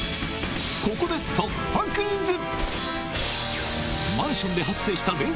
ここで突破クイズ！